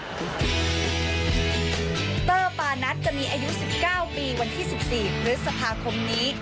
เตอร์ปานัทจะมีอายุ๑๙ปีวันที่๑๔พฤษภาคมนี้